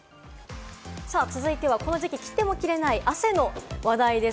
続いてはこの時期、切っても切れない汗の話題です。